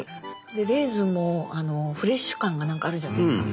レーズンもフレッシュ感が何かあるじゃないですか。